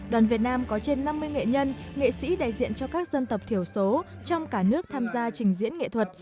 đoàn việt nam có trên năm mươi nghệ nhân nghệ sĩ đại diện cho các dân tộc thiểu số trong cả nước tham gia trình diễn nghệ thuật